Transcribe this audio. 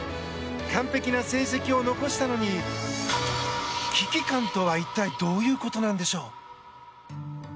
完璧な成績を残したのに危機感とは一体どういうことなんでしょう。